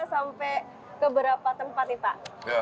sampai keberapa tempat pak